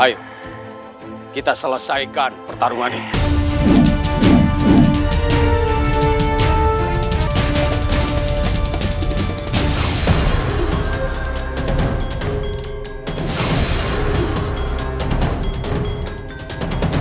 ayo kita selesaikan pertarungannya